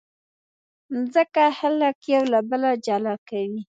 مځکه خلک یو له بله جلا کوي.